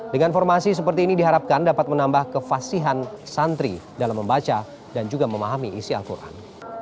dengan formasi seperti ini diharapkan dapat menambah kevasihan santri dalam membaca dan juga memahami isi al quran